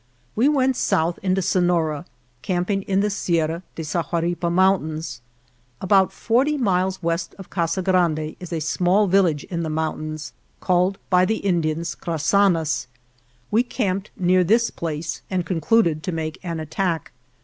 We went south into Sonora, camping in the Sierra de Sahuaripa Mountains. About forty miles west of Casa Grande is a small village in the mountains, called by the In dians " Crassanas." We camped near this place and concluded to make an attack.